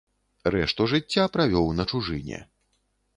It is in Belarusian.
Рэшту жыцця правёў на чужыне.